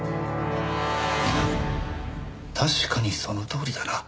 確かにそのとおりだな。